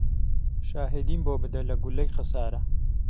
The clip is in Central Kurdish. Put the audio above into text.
شاهێدیم بۆ بده له گولهی خهساره